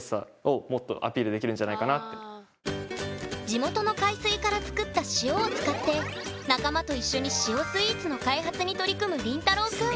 地元の海水から作った塩を使って仲間と一緒に「塩」スイーツの開発に取り組むりんたろうくん。